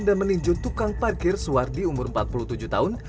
dan meninju tukang parkir suar di umur empat puluh tujuh tahun